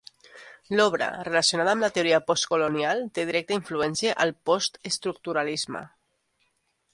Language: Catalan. L'obra relacionada amb la teoria postcolonial té directa influència del postestructuralisme.